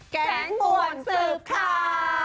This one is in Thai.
แก๊งปวดสืบข่าว